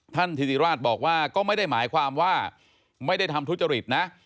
ธิติราชบอกว่าก็ไม่ได้หมายความว่าไม่ได้ทำทุจริตนะ